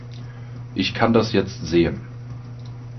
Ich kann das jetzt sehen.